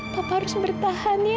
papa harus bertahan ya